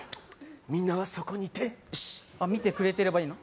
みんなはそこにいてピシッ見てくれてればいいの？